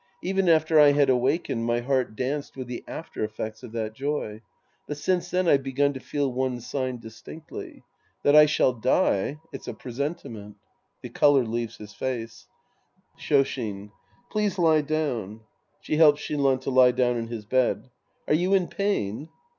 Even after I had awakened, my heart danced with the after effects of that joy. But since then I've begun to feel one sign distinctly. That I shall die — ^it's a presentiment — (The color leaves his face) Slioshin. Please He down. {She helps Shinran to lie down in his lied.) Are you in pain